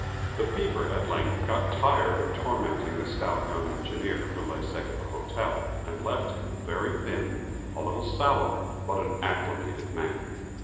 The fever at length got tired of tormenting the stout young engineer, who lay sick at the hotel, and left him, very thin, a little sallow but an "acclimated" man.